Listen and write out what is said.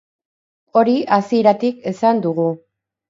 Hori hasieratik esan dugu.